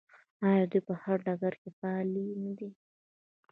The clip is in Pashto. آیا دوی په هر ډګر کې فعالې نه دي؟